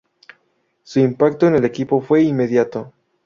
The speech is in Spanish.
Su impacto en el equipo fue inmediato.